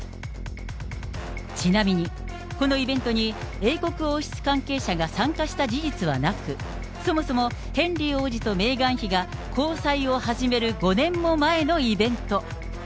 ちなみに、このイベントに英国王室関係者が参加した事実はなく、そもそもヘンリー王子とメーガン妃が交際を始める５年も前のイベント。